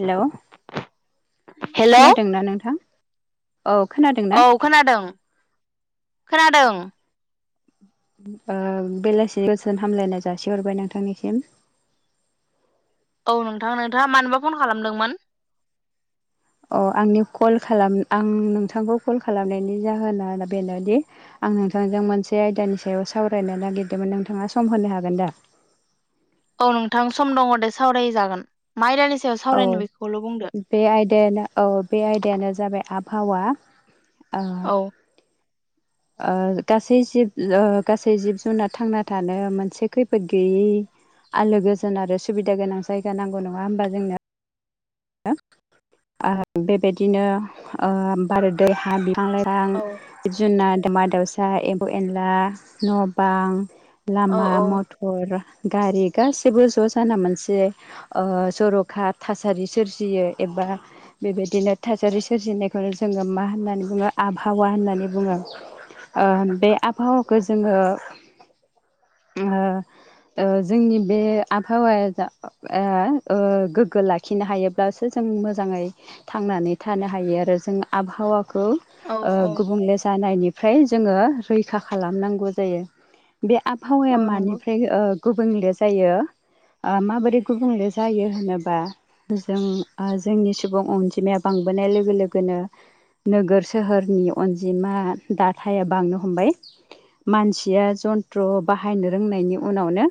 Hello hello खोनादोंना नोंथां औ खोनादोंना औ खोनादों खोनादों। ओ बेलासि गोजोन हामलायनाय जासिहरबाय नोंथांनिसिम। [inaudible] औ नोंथां नोंथांङा मानोबा फन खालामदोंमोन? अ आंनि कल खालाम आं नोंथांखौ कल खालामनायनि जाहोना बेनोदि आं नोंथांजों मोनसे आयदानि सायाव सावरायनो नागिरदोंमोन नोंथांङा सम होनो हागोन दा? औ नोंथां सम दंङ दे सावराय जागोन माइरानि औ बे आयदायानो औ बे आयदायानो जाबाय आबहावा। ओ औ ओ गासै जिब ओ गासै जिब जुनार थांना थानो मोनसे खैफोद गैयै आलो गोजोन आरो सुबिदा गोनां जायगा नांगौ नंङा होमबा जोंनो। बेबायदिनो ओ बार दै हा बि बिफां लाइफां औ जुनाद दाउमा दाउसा एम्बौ एनला न' बां। औ लामा औ मथर गारि गासिबो ज' जाना मोनसे ओ जर'खा थासारि सोरजियो एबा बेबायदिनो थासारि सोरजिनायखौनो जोंङो मा होननानै बुंङो आबहावा। होननानै बुंङो। ओ बे आबहावाखौ जोंङो ओ ओ जोंनि बे आबहावाया जा आ ओ गोग्गो लाखिनो हायो। सो जों मोजांङै थांनानै थानो हायो आरो जों आबहावा खौ औ ओ औ गुबुंले जानायनिफ्राय जोंङो रैखा खालामनांगौ जायो। बे आबहावाया औ नंगौ मानिफ्राय ओ गुबुंले जायो ओ माबोरै गुबुंले जायो होनोब्ला जोंनि सुबुं अनजिमाया बांबोनाय लोगो लोगोनो नोगोर सोहोरनि अनजिमा दाथाया बांनो हमबाय। मानसिया जन्थ्र बाहायनो रोंनायनि उनावनो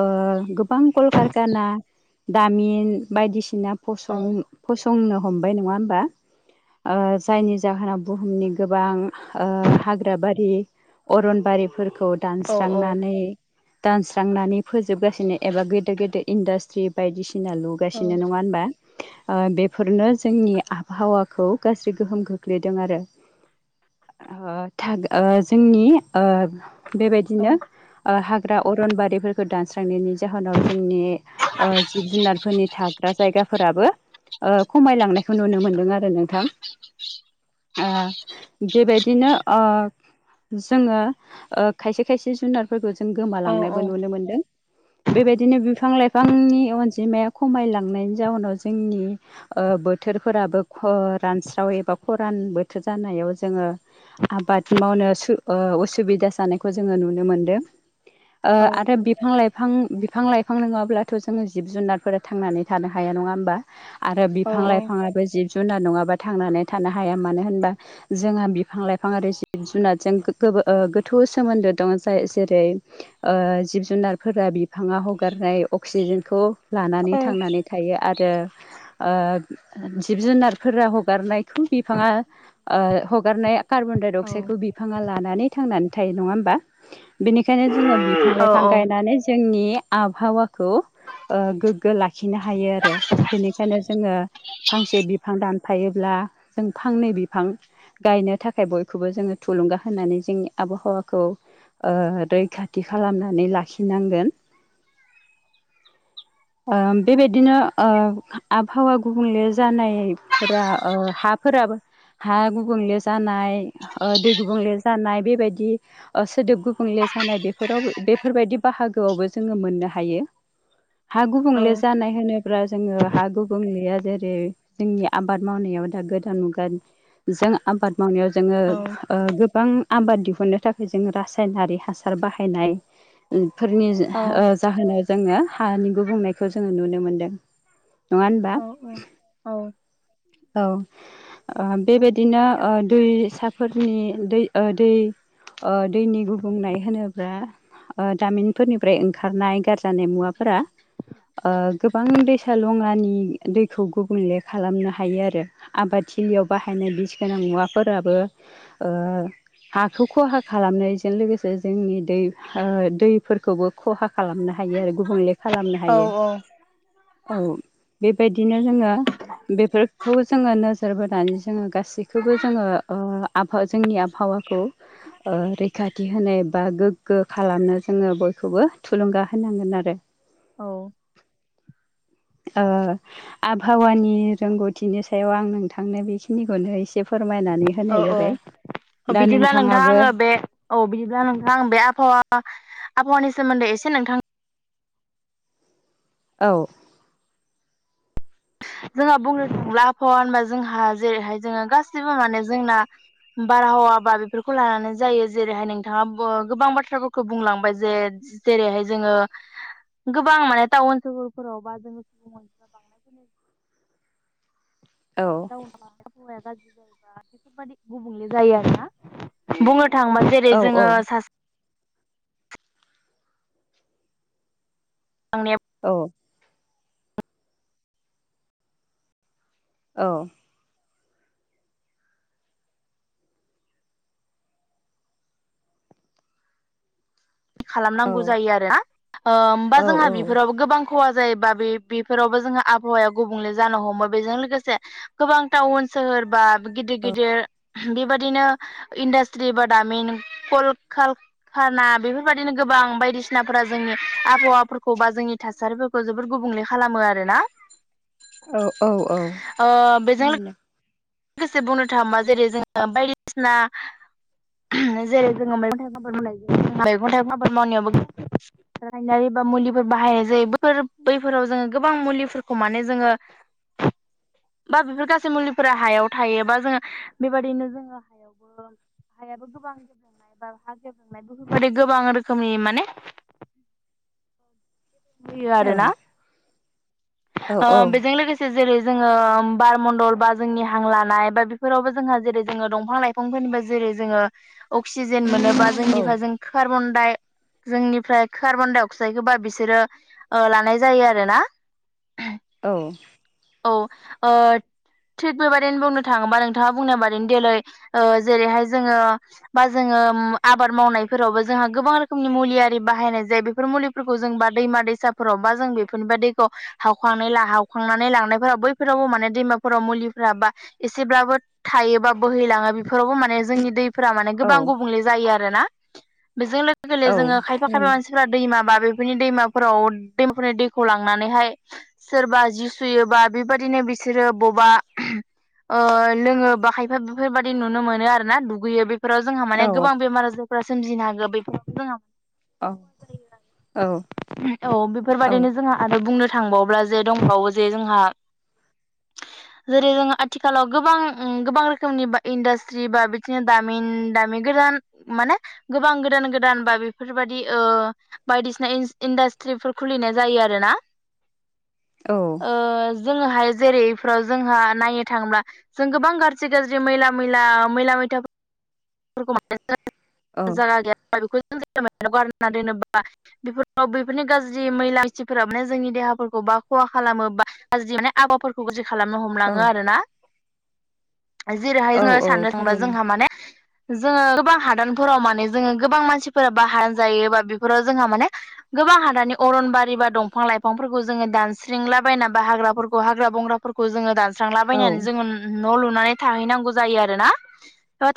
ओ गोबां कलकारखा ना दामिन बायदिसिना औ फसं फसंनो हमबाय नंङा होमबा? ओ जायनि जाहोनाव बुहुमनि गोबां ओ हाग्रा बारि अरनबारिफोरखौ औ औ दानस्रांनानै दानस्रांनानै फोजोबगासिनो एबा गेदेर गेदेर इन्डास्ट्रि बायदि सिना औ लुगासिनो नंङा होनबा? ओ बेफोरनो जोंनि आबहावाखौ गाज्रि गोहोम खोख्लैदों आरो। ओ थाग ओ जोंनि ओ औ बेबायदिनो ओ हाग्रा अरनबारिफोरखौ दानस्रांनायनि जाहोनाव जोंनि ओ जिब जुनारफोरनि थाग्रा जायगाफोराबो ओ खमायलांनायखौ नुनो मोनदों आरो नोंथां। ओ बेबायदिनो ओ जोङो ओ खायसे खायसे जुनारफोरखौ जों औ गोमालांनायबो औ नुनो मोनदों। बेबायदिनो बिफां लाइफांनि अनजिमाया खमायलांनायनि जाउनाव जोंनि ओ बोथोरफोराबो ख रानस्राव एबा खरान बोथोर जानाय याव जोङो आबाद मावनो सु ओ उसुबिदा जानायखौ जोङो नुनो मोनदों। ओ औ आरो बिफां लाइफां बिफां लाइफां नङाब्लाथ' जोङो जिब जुनारफोरा थांनानै थानो हाया नङा होमबा आरो औ बिफां लाइफां आबो जिब जुनार नङाबा थांनानै थानो हाया मानो होनबा जोंहा बिफां लाइफां आरो जिब जुनारजों गोथ ओ गोथौ सोमोन्दो दं जाय जेरै ओ जिब जुनारफोरा बिफाङा हगारनाय नाय अक्सिजेनखौ लानानै थांनानै थायो आरो ओ जिब जुनारफोरा हगारनाय खौ बिफाङा ओ हगारनाय कार्बन डाइ अक्साइदखौ बिफाङा लानानै थांनानै थायो नङा होम बा बेनिखायनो जोङो बिफां लाइफां गायनानै जोंनि बे आबहावाखौ ओ गोग्गो लाखिनो हायो आरो बेनिखायनो जोङो फांसे बिफां दानफायोब्ला जों फांनै बिफां गायनो थाखाय बयखौबो जोङो थुलुंगा होनानै जोंनि आबहावाखौ ओ रैखाथि खालामनानै लाखिनांगोन। ओम बेबायदिनो ओ आबहावा गुबुंले जानायफोरा ओ हाफोराबो हा गुबुंले जानाय ओ दै गुबुंले जानाय बेबायदि ओ सोदोब गुबुंले जानाय बेफोरावबो बेफोरबादि बाहागोआवबो जोंङो मोननो हायो। हां गुबुंले जानाय होनोब्ला जोङो हा गुबुंलेया जेरै जोंनि आबाद मावनायाव दा गोदान मुगानि जों आबाद मावनायाव जोङो ओ गोबां आबाद दिहुनो थाखाय जों रासायनारि हासार बाहायनाय फोरनि ओ जाहोनाव जोङो हानि गुबुंनायखौ जोङो नुनो मोनदों। नङा होनबा औ औ औ। [inaudible] औ ओ बेबायदिनो ओ दैसाफोरनि दै ओ दै ओ दैनि गुबुंनाय होनोब्ला ओ दामिनफोरनिफ्राय ओंखारनाय गारजानाय मुवाफोरा ओ गोबां दैसा लङानि दैखौ गुबुंले खालामनो हायो आरो आबाद थिलियाव बा बाहायनाय बिस गोनां मुवाफोराबो ओ हाखौ खहा खालामनायजों लोगोसे जोंनि दै ओ दैफोरखौबो खहा खालामनो हायो आरो गुबुंले खालामनो हायो औ। बेबायदिनो जोङो बेफोरखौ जोङो नोजोर बोनानै जोङो गासैखौबो जोङो ओ आबहावा जोंनि आबहावाखौ ओ रैखा थि होनो बा गोग्गो खालामनो जोङो बयखौबो थुलुंगा होनांगोन आरो। औ। ओ आबहावानि रोंगौथिनि सायाव आं नोंथांनो बेखिनिखौनो एसे मायनानै होनाय जाबाय। अ दा बिदिब्ला नोंथां नोंथाङाबो आङो बे औ बिदिब्ला नोंथां आं बे आबहावा आबहावानि सोमोन्दै एसे नोंथां औ। जोंहा बुंनो थांब्ला आबहावा होनबा जोंहा जेरैहाय जोङो गासिबो माने जोंना बारहावा बा बेफोरखौ लानानै जायो जेरैहाय नोंथाङा गोबां बाथ्राफोरखौ बुंलांबाय जे जेरैहाय जोङो गोबां माने टाउन सहरफोराव बा जों सुबुं मानसि थांनाय फैनाय औ आहावाया गाज्रि जायोबा बेफोरबायदि गुबुंले जायो आरोना बुंनो थांबानो जेरै औ जोङो सा आंनि [unintelligible] औ औ औ खालामनांगौ जायो आरोना। होमबा जोंहा बेफोरावबो गोबां खहा जायोबा बे बेफोरावबो जोंहा आबहावाया गुबुंले जानो हमो बेजों लोगोसे गोबां टाउन सोहोर बा गिदिर गिदिर बेबादिनो इन्डास्ट्रि बा दामिन कल कालखाना बेफोर बायदिनो गोबां बायदिसिनाफोरा जोंनि आबहावाफोरखौ बा जोंनि थासारिफोरखौ जोबोर गुबुंले खालामो आरोना। औ औ औ ओ बेजों थारैनो। लोगोसे बुंनो थाङोबा जेरै जोङो बायदिसिना जेरै जोङो मैगं थाइगं आबाद मावनाय जायो मैगं थाइं आबाद मावनायाबो [unintelligible] मुलिफोर बाहायनाय जायो बैफोर बैफोराव जोङो गोबां मुलिफोरखौ माने जोङो [inaudible] बा बेफोर गासै मुलिफोरा हायाव थायोबा जोङो बेबायादिनो जोङो हायावबो। हायाबो गोबां गेबेंनाय बा हा गेबेंनाय बेफोरबदि गोबां रोखोमनि माने होयो आरोना अ बेजों लोगोसे जेरै जोङो बारमण्डल बा जोंनि हां लानाय बा बेफोरावबो जोंहा जेरै जोङो दंफां लाइफांफोरनि जेरै जो असिजेन मोनोबा जोंनिफ्राय जों कार्बन डाइ जोंनिफ्राय कार्बन डाइ अक्साइद होबा बिसोरो ओ-लानाय जायो आरोना। औ औ अ थिग बेबादिनो बुंनो थाङोबा नोंथाङा बुंनाय बादिनो देलै ओ-जेरैहाय जोङो बा जोङो। उम आबाद मावनायफोरावबो जोंहा गोबां रोखोमनि मुलि आरि बाहायनाय जायो बेफोर मुलिफोरखौ जों बार दैमा दैसाफोराव बा जों बेफोरनिफ्राय दैखौ हावखां हावखांनानै लांनायफोराव बैफोरावबो माने दैमा बबा मायफोराव मुलिफोरा बा एसेब्लाबो थायोबा बोहैलाङो बेफोराव मान जोंनि दै फोर माने गोबां गुबुंले जायो आरो ना। बेजों लोगो औ [unintelligible] जोङो खायफा खायफा मानसिफोरा दैमा बा बेफोरनि दैमा फोराव दैमाफोरनि दैखौ लांनानैहाय सोरबा जि सुयोबा बेबायदिनो बिसोरो बा ओ-लोङो‌ बा खायफा बेफोरबायदि नुनो मोनो आरोना दुगैयो बे बेफोराव जोंहा माने गोबां बेमार आजारफोरा सोमजिनो हागो। बेफोराव जोंहा औ औ औ बेफोरबादिनो जोंहा आरो बुंनो थांबाव्ला जे दंबावो जे जोंहा - [inaudible] जेरै जों आथिखालाव गोबां ओम गोबां रोखोमनि इन्डास्ट्रि बा बिदिनो दामिन दामिन गो [unintelligible] माने गोबां गोदान गोदान बा बेफोरबाददि ओ-बायदिसिना इनस इन्डास्ट्रिफोर खुलिनाय जायो आरोना। जोङोहाय जेरैफोराव जोंहा नायनो थाङोब्ला जों गोबां गाज्रि गाज्रि मैला मैला मैला मैला -था फोर [unintelligible] जाया गैया बेखौ [unintelligible] गारनानै दोनो बा बेफोर बैफोरनि गाज्रि मैला इथिफोरा माने जोंनि देहाफोरखौ बा खहा खालामो बा गाज्रि माने आबाफोरखौ जो खालामनो हमलाङो आरो ना। जेरैहाय जोङो साननो थांब्ला थारैनो जोंहा माने जोङो गोबां हादानफोराव माने जोङो गोबां मानसिफोरा बाहा जायोबा बेफोराव जोंहा माने गोबां हादाननि अरनबारि बा दंफां लाइफांफोरखौ जोङो दानस्रिंलाबायना बा हाग्राफोरखौ हाग्रा बंग्राफोरखौ जोङो औ स्रांलाबायनानै जोङो न' लुनानै थाहैनांगौ जायो आरोनाा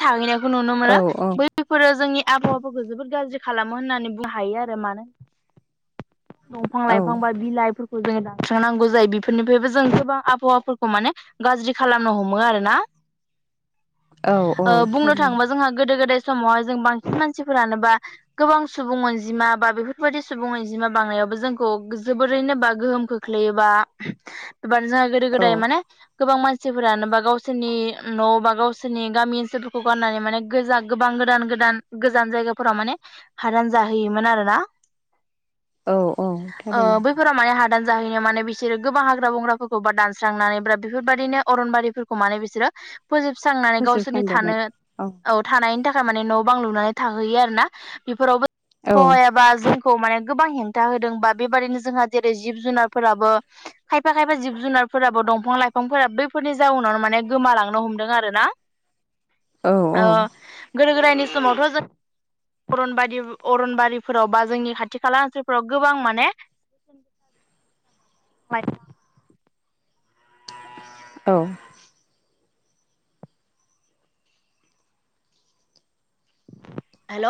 थाहैनाय नुनो औ मोना बैफोरो जोंनि आबहावाफोरखौ जोबोद गाज्रि खालामो होननानै बुंनो हायो आरो मानो दंफां औ लाइफां बा बिलाइफोरखौ जोङो दानस्रांनांगौ जायो बेफोरनिफ्रायबो जों गोबां आबहावाफोरखौ माने गाज्रि खालामनो हमो आरोना [inaudible] औ औ ओ बुंनो थारैनो थाङोबा जोंहा गोदो गोदाय समावहाय जों बांसिन मानसिफोरानोबा गोबां सुबुं अनजिमा बा बेफोर बेफोरबायदि सुबुंनिजमा बांनायावबो जोंखौ जोबोरैनो बा गोहोम खोख्लैयो बा एबारानो जोंहा गोदो औ गोदाय माने गोबां मानसि मानसिफोरानो बा गावसोरनि न' बा गावसोरनि गामि ओनसोलफोरखौ गारनानै माने गोजा गोबां गोदान गोदान गोदान गोजान जायगाफोराव माने हादान जाहोयोमोन आरो ना औ औ थारैनो दान जाहैनो माने बिसोरो गोबां हाग्रा बंग्राफोरखौ बा दानस्रांनानै बा बेफोरबायदिनो अरनबारिफोरखौ माने बिसोरो फोजोबस्रांनानै गावसोरनि थानो औ थानायनि थाखाय थारमाने न'आव बां लुनानै थाहैयो आरोना औ बेफोरावबोा जों माने गोबां हेंथा होदों बा बेबदिनो जोंहा जेरै जिब जुनारफोराबो खायफा खायफा जिब जुनार फोराबो दंफां लाइफांफोराबो बैफोरनि जाउनावनो माने गोमालांनो हमदों आरोना औ औ अ गोदो गोदायनि समावथ' जों अरनबारि अरनबारिफोराव बा जोंनि खाथि खाला ओनसोलफोराव गोबां माने औ हेल'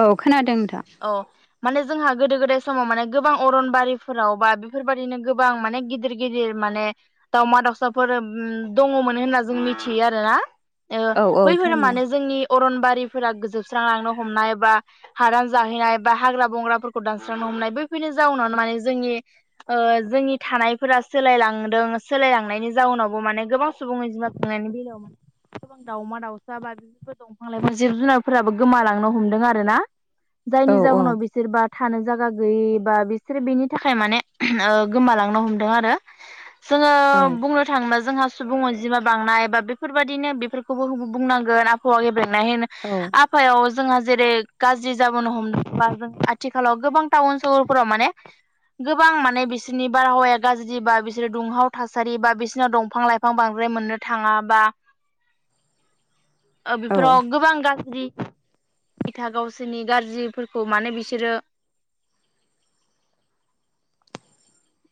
औ खोनादों नोंथां औ माने जोंहा गोदो गोदाय समाव माने गोबां अरनबारिफोराव बा बेफोरबायदिनो गोबां माने गिदिर गिदिर माने दाावमा दाउसाफोर दङमोन होनना जों मिथियो आरो ना औ औ बैफोर थारैनो मानो जोंनि अरनबारिफोरा गोजोबस्रांलांनो हमनाय एबा हादान जा ह्रा दानसांनो हनाय बेफोरनिावनो जनि थानायफोरा सोलायलांदों सोलायलांनायनि जाउनावबो माने गोबां सुबुंनि अनजिमा खुंनायनि बेलायाव म गोबां दाउमा दाउसा बा बिदिफोर दंफां लाइफां जिब जुनारफोराबो गोमालांनो हमदों आर ना औ जायनि औ जाहोनाव बिसोर बा थानो जायगा गैयि बा बिसोरो बेनि थाखाय माने गोमालांनो हमदों आरो जोङो औ बुंनो थाङोब्ला जोंहा सुबुं अनजिमा बांनाय बा बेफोरबायदिनो बेफोरखौबो बुंनांगोन आबहावाबा आफायाव जोंहा जेरै गाज्रि जाबोनो हमदों बा आथिखालाव गोबां टाउन सहरफोराव माने गोबां माने बिसोरनि बारहावाया गाज्रि बा बिसोरो दुंहाव थासारि बा बिसोरनाव दंफां लाइफां बांद्राय फ्राय मोननो थाङाबा [inaudible] औ बेफोराव गोबां गाज्रि फिथा गावस जोंनि गाज्रिफोरखौ माने बिसोरो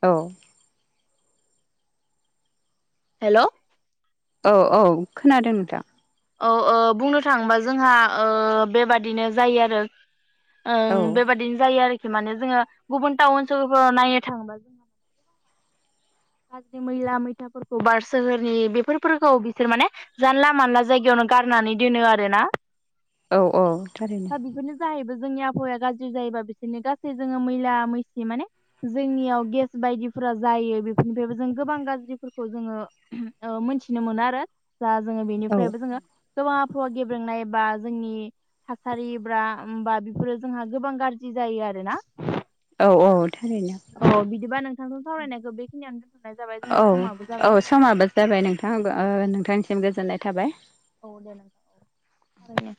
औ हेल' औ औ खोनादों नोंथां औ बुंनो थाङोबा ओ जोंहा बेबादिनो जायो आरो औ ओं बेबादिनो जायो आरोखि खि माने जोङो गुबुन टाउन ओनसोलफोराव नायनो थाङोबा जों गाज्रि मैला मैथाफोरखौ बार सोहोरनि बेफोरखौ बिसोर माने जानला मानला जायगायावनो गारनानै दोनो आरोना औ औ थारैनो जाहैबाय जोंनि आबहावाया गाज्रि जायोबा बिसोरनो गासै जोङो मैला मैसे माने जोंनियाव गेस बायदिफोरा जायो बेफोरनिफ्रायबो जों गोबां गाज्रिफोरखौ जोङो मिथिनो मोनो आरो जा जोङो औ बेनिफ्रायबो जोङो गोबां आबहावा गेब्रेंनाय बा जोंनि थासारि ब्रा बा बेफोरो जोंहा गोबां गाज्रि जायो आरो ना औ औ थारैनो बिदिबा नोंथांजों सावरायनायखौ बेखिनियानो औ औ समाबो जाबाय नोंथां नोंथांनिसिम गोजोननाय थाबाय औ दे ना औ